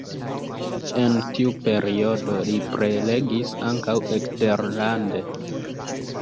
En tiu periodo li prelegis ankaŭ eksterlande.